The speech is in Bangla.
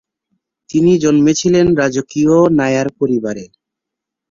তিনি জন্মেছিলেন রাজকীয় নায়ার পরিবারে।